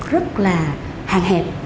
rất là hàng hẹp